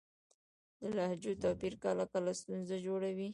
د لهجو توپیر کله کله ستونزه جوړوي.